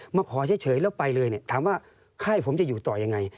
มาขอเฉยแล้วไปเลยถามว่าไข้ผมจะอยู่ต่อยังไง